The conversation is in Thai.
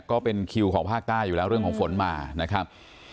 ก็เป็นคิวของภาคใต้อยู่แล้วเรื่องของฝนมานะครับ